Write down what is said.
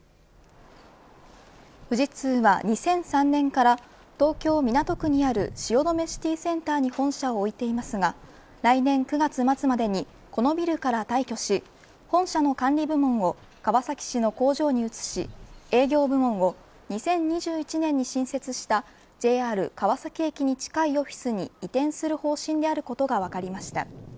富士通は２００３年から東京・港区にある汐留シティセンターに本社を置いていますが来年９月末までにこのビルから退去し本社の管理部門を川崎市の工場に移し営業部門を２０２１年に新設したＪＲ川崎駅に近いオフィスに移転する方針であることが分かりました。